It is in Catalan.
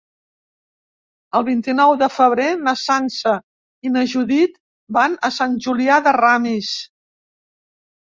El vint-i-nou de febrer na Sança i na Judit van a Sant Julià de Ramis.